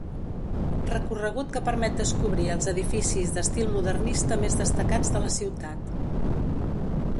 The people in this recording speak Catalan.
Recorregut que permet descobrir els edificis d'estil modernista més destacats de la ciutat.